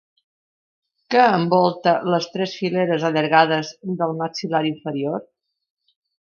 Què envolta les tres fileres allargades del maxil·lar inferior?